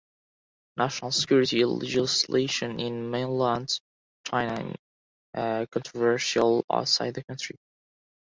National security legislation in Mainland China is controversial outside the country.